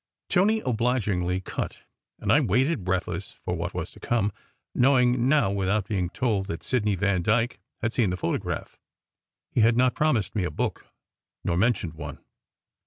Tony obligingly "cut," and I waited, breathless, for what was to come, knowing now without being told that Sidney Vandyke had seen the photograph. He had not promised me a book, nor mentioned one.